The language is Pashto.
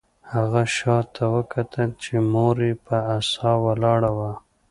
هغه شاته وکتل چې مور یې په عصا ولاړه وه